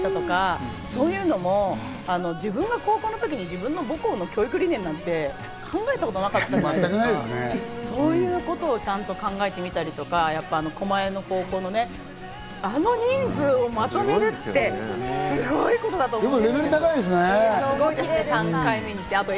でも京都の学校の教育理念に基づいたとか、そういうのも自分が高校のときに自分の母校の教育理念なんて考えたことなかったから、そういうことをちゃんと考えてみたりとか、狛江の高校のあの人数をまとめるって、すごいことだと思う。